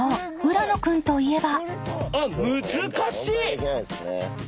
浦野君といえば］